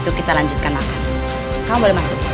biarin di depan gak usah masuk